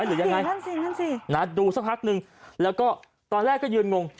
นั่นสินั่นสิน่ะดูสักพักหนึ่งแล้วก็ตอนแรกก็ยืนงง